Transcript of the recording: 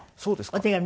お手紙。